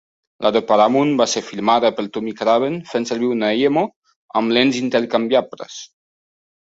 La de Paramount va ser filmada per Tommy Craven fent servir una Eyemo amb lents intercanviables.